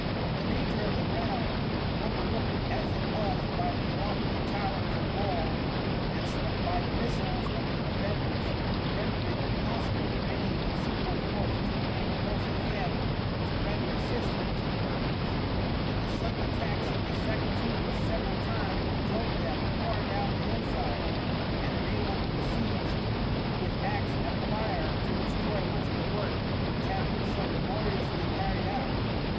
The nature of the ground, overlooked as it was by the lofty towers and walls, and swept by the missiles of the defenders, rendered it impossible for any considerable force to remain close at hand to render assistance to the workers, and the sudden attacks of the Saguntines several times drove them far down the hillside, and enabled the besieged, with axe and fire, to destroy much of the work which had been so labouriously carried out.